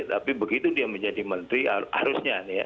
tapi begitu dia menjadi menteri harusnya nih ya